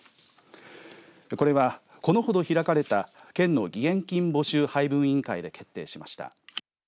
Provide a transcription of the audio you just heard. これは、このほど開かれた県の義援金募集配分委員会で決定しました。